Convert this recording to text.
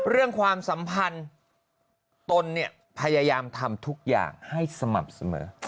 ความสัมพันธ์ตนเนี่ยพยายามทำทุกอย่างให้สม่ำเสมอ